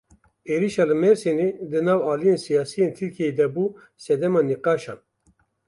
Êrişa li Mêrsînê di nav aliyên siyasî yên Tirkiyeyê de bû sedema nîqaşan.